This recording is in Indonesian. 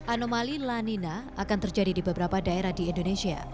anomali lanina akan terjadi di beberapa daerah di indonesia